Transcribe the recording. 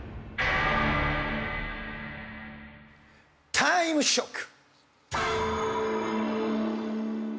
タイムショック！